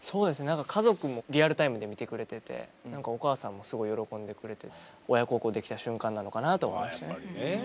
家族もリアルタイムで見てくれてて何かお母さんもすごい喜んでくれて親孝行できた瞬間なのかなと思いましたね。